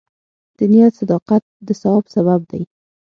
د نیت صداقت د ثواب سبب دی.